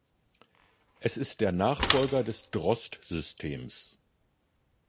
Es ist der Nachfolger des Drosd-Systems.